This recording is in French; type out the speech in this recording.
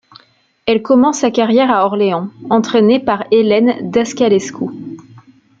Elle commence sa carrière à Orléans, entraînée par Hélène Dascalescu.